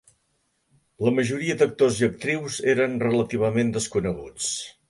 La majoria d'actors i actrius eren relativament desconeguts.